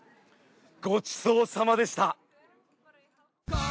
ごちそうさまでした。